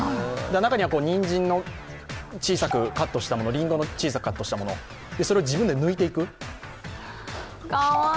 中にはニンジンの小さくカットしたもの、りんごを小さくカットしたものを自分で抜いていく。